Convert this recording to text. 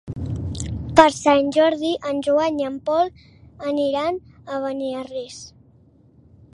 Per Sant Jordi en Joan i en Pol aniran a Beniarrés.